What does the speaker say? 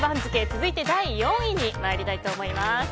続いて第４位にまいりたいと思います。